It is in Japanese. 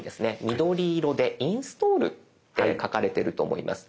緑色で「インストール」って書かれてると思います。